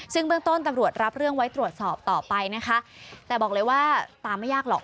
ซึ่งเบื้องต้นตำรวจรับเรื่องไว้ตรวจสอบต่อไปนะคะแต่บอกเลยว่าตามไม่ยากหรอก